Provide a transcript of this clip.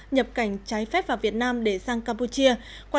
nhập cảnh trái phép vào việt nam để sang campuchia